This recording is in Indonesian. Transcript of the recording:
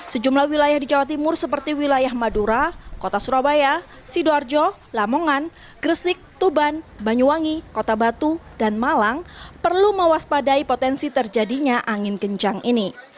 sejumlah wilayah di jawa timur seperti wilayah madura kota surabaya sidoarjo lamongan gresik tuban banyuwangi kota batu dan malang perlu mewaspadai potensi terjadinya angin kencang ini